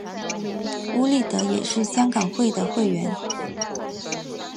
邬励德也是香港会的会员。